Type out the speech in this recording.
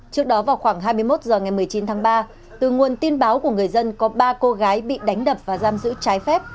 trước đó vào khoảng hai mươi một h ngày một mươi chín tháng ba từ nguồn tin báo của người dân có ba cô gái bị đánh đập và giam giữ trái phép